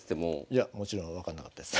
いやもちろん分かんなかったです。